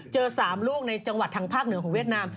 ๓ลูกในจังหวัดทางภาคเหนือของเวียดนาม